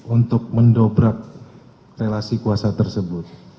untuk mendobrak relasi kuasa tersebut